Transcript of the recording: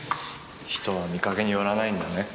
人は見かけによらないんだね。